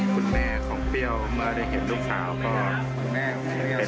คุณแม่ของเปรี้ยวเมื่อได้เห็นลูกขาวก็เป็นโรงพยาบาลครับ